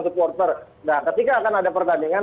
supporter nah ketika akan ada pertandingan